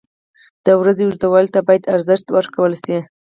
• د ورځې اوږدوالي ته باید ارزښت ورکړل شي.